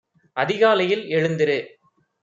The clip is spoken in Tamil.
அதிகாலையில் எழுந்திரு.